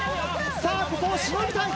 ここをしのぎたい。